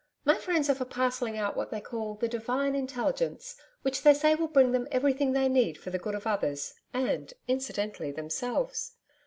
My friends are for parcelling out what they call the Divine Intelligence, which they say will bring them everything they need for the good of others and, incidentally, themselves.